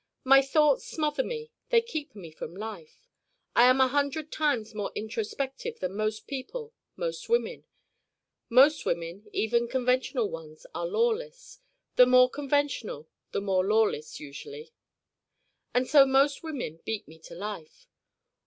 My thoughts smother me: they keep me from life. I am a hundred times more introspective than most people, most women. Most women, even conventional ones, are lawless the more conventional, the more lawless usually. And so most women beat me to life.